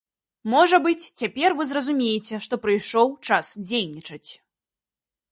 Можа быць, цяпер вы зразумееце, што прыйшоў час дзейнічаць!